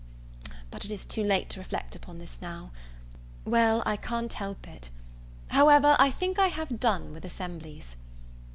But it is too late to reflect upon this now. Well I can't help it. However, I think I have done with assemblies.